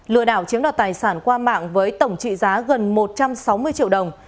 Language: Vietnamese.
lừa đảo chiếm đoạt tài sản qua mạng với tổng trị giá gần một trăm sáu mươi triệu đồng